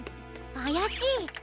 あやしい！